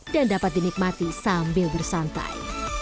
dan dapat dinikmati sambil bersantai